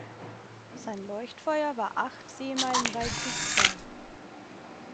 Sein Leuchtfeuer war acht Seemeilen weit sichtbar.